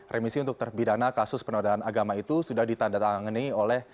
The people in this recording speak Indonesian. remisi untuk terbidana kasus penodaan agama itu sudah ditandatangani oleh